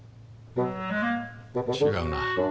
違うな。